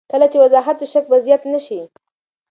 کله چې وضاحت وي، شک به زیات نه شي.